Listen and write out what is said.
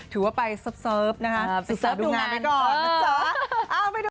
ถือว่าไปเสิร์ฟนะคะไปเสิร์ฟดูงานไปก่อนนะจ๊ะ